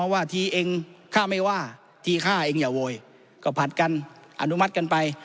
ว่าทีเองฆ่าไม่ว่าทีฆ่าเองอย่าโวยก็ผัดกันอนุมัติกันไป